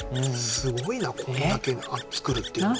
すごいなこんだけ作るっていうのは。